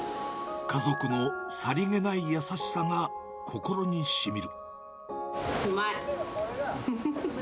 家族のさりげない優しさが心うまい。